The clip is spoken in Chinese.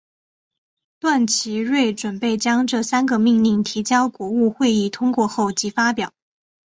段祺瑞准备将这三个命令提交国务会议通过后即发表。